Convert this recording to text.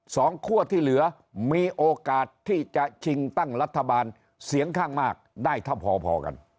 คั่วที่เหลือมีโอกาสที่จะชิงตั้งรัฐบาลเสียงข้างมากได้เท่าพอกัน